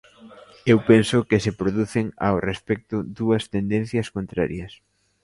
Eu penso que se producen, ao respecto, dúas tendencias contrarias.